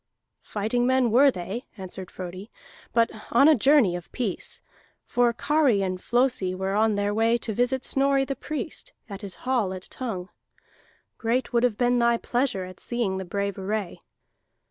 "Fighting men were they," answered Frodi, "but on a journey of peace. For Kari and Flosi were on their way to visit Snorri the Priest at his hall at Tongue. Great would have been thy pleasure at seeing the brave array."